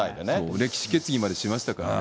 歴史的決議までしましたからね。